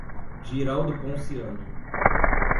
Girau do Ponciano